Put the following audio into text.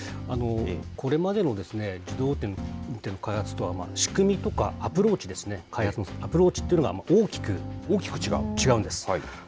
これまでの自動運転の開発とは仕組みとか、アプローチですね、開発の、アプローチというのが大きく違うんです。